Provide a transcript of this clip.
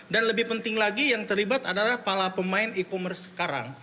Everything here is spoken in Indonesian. dan lebih penting lagi yang terlibat adalah kepala pemain e commerce sekarang